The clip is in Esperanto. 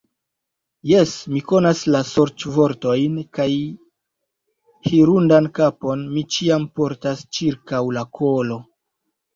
Jes, mi konas la sorĉvortojn kaj hirundan kapon mi ĉiam portas ĉirkaŭ la kolo.